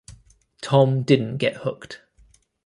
Tom didn't get hooked.